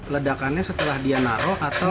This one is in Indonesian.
ledakannya setelah dia naruh atau